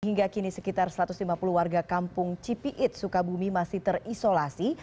hingga kini sekitar satu ratus lima puluh warga kampung cipiit sukabumi masih terisolasi